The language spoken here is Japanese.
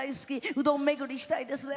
うどん巡りしたいですね。